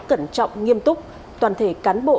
cẩn trọng nghiêm túc toàn thể cán bộ